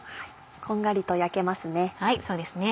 こんがりと焼けますね。